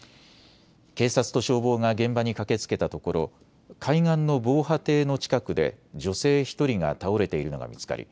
警察と消防が現場に駆けつけたところ海岸の防波堤の近くで女性１人が倒れているのが見つかり